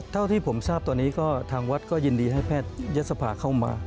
เท่าที่ผมทราบตอนนี้ก็ทางวัดก็ยินดีให้แพทยศภาเข้ามา